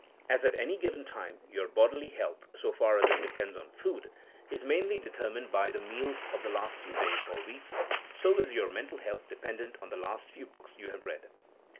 As at any given time your bodily health — so far as it depends on food — is mainly determined by the meals of the last few days or weeks, so is your mental health dependent on the last few books you have read.